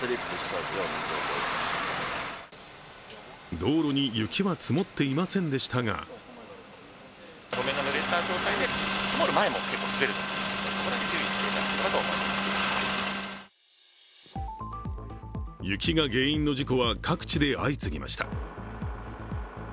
道路に雪は積もっていませんでしたが雪が原因の事故は各地で相次ぎました。